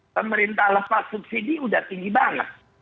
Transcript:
pemerintah lepas subsidi udah tinggi banget